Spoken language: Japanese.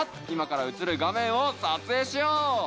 今から映る画面を撮影しよう。